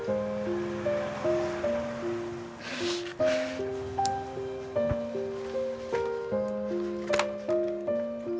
โอ้โอ้โอ้โอ้โอ้